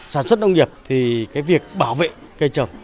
sản xuất nông nghiệp thì cái việc bảo vệ cây trồng